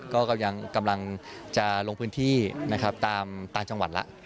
ก็ยังกำลังจะลงพื้นที่ตามจังหวัดละ